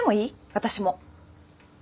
私も。